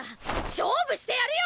勝負してやるよ！